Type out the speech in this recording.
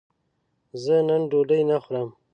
زه نن ډوډی نه خورم